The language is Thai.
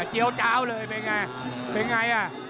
เจี๊ยวเจ้าเลยเป็นไง